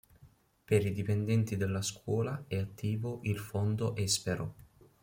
Per i dipendenti della scuola è attivo il Fondo Espero.